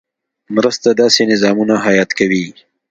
مرستې داسې نظامونه حیات کوي.